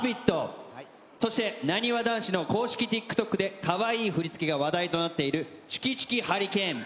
そして、なにわ男子の公式ティックトックでかわいい振り付けが話題となっているちゅきちゅきハリケーン。